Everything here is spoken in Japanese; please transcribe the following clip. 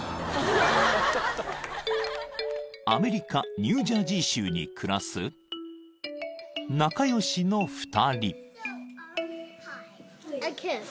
［アメリカニュージャージー州に暮らす仲良しの２人］